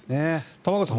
玉川さん